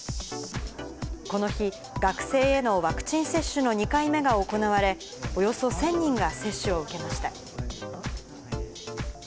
この日、学生へのワクチン接種の２回目が行われ、およそ１０００人が接種を受けました。